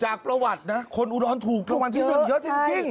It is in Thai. จากประวัตินะคนอุดรณถูกประวัติที่นั่นเยอะจริง